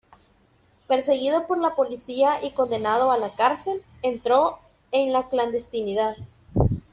Perseguido por la policía y condenado a la cárcel, entró en la clandestinidad.